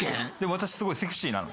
私すごいセクシーなの。